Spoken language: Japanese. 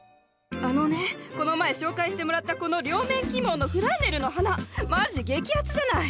あのねこの前紹介してもらったこの両面起毛のフランネルの花マジ激アツじゃない。